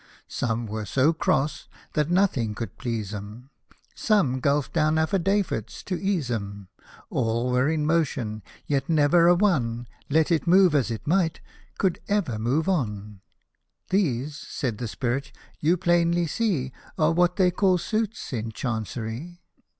Some were so cross^ that nothing could please 'em ;— Some gulphed down affidavits to ease 'em ;— All were in motion, yet never a one, Let it move as it might, could ever move on. "These," said the Spirit, "you plainly see, " Are what they call suits in Chancery